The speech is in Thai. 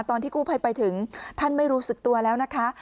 ตอนที่กู้ภัยไปถึงท่านไม่รู้สึกตัวแล้วนะคะ